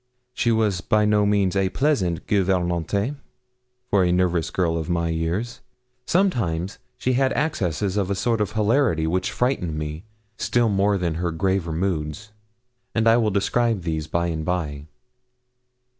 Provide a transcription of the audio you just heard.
She was by no means a pleasant gouvernante for a nervous girl of my years. Sometimes she had accesses of a sort of hilarity which frightened me still more than her graver moods, and I will describe these by and by.